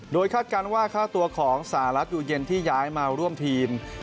โดยคาดการณ์ว่าค่าตัวของสหรัฐอยู่เย็นที่ย้ายมาร่วมทีม